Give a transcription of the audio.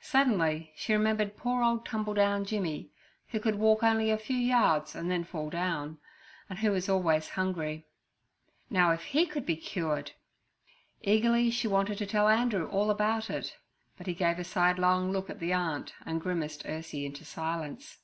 Suddenly she remembered poor old Tumbledown Jimmy, who could walk only a few yards and then fall down, and who was always hungry. Now, if he could be cured! Eagerly she wanted to tell Andrew all about it, but he gave a sidelong look at the aunt and grimaced Ursie into silence.